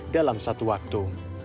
dalam satu waktu